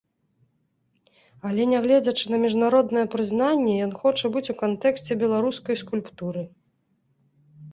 Але нягледзячы на міжнароднае прызнанне ён хоча быць у кантэксце беларускай скульптуры.